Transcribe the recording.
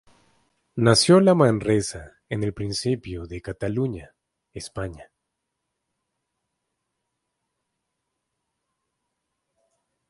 Nació en Manresa, en el Principado de Cataluña, España.